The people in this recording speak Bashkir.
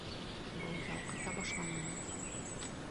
Был ялҡыта башланы мине.